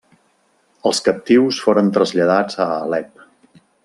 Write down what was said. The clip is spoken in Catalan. Els captius foren traslladats a Alep.